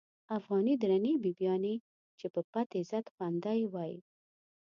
افغانی درنی بیبیانی، چی په پت عزت خوندی وی